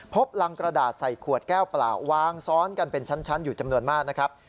พบรังกระดาษใส่ขวดแก้วเปล่าวางซ้อนกันเป็นชั้นอยู่จำนวนมากนะครับ